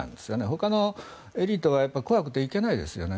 ほかのエリートは怖くて行けないですよね。